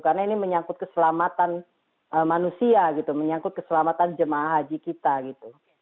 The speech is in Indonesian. karena ini menyangkut keselamatan manusia gitu menyangkut keselamatan jemaah haji kita gitu